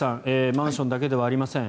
マンションだけではありません